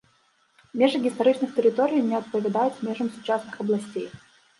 Межы гістарычных тэрыторый не адпавядаюць межам сучасных абласцей.